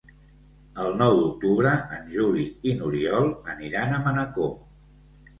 El nou d'octubre en Juli i n'Oriol aniran a Manacor.